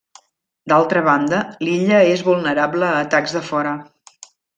D'altra banda, l'illa és vulnerable a atacs de fora.